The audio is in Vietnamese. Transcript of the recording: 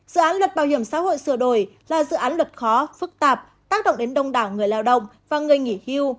dự án luật bảo hiểm xã hội sửa đổi là dự án luật khó phức tạp tác động đến đông đảo người lao động và người nghỉ hưu